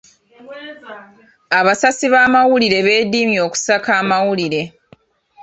Abasasi b'amawulire beedimye okusaka amawulire.